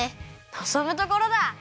のぞむところだ！